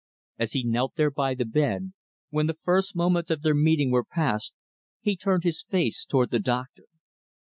As he knelt there by the bed, when the first moments of their meeting were past, he turned his face toward the doctor.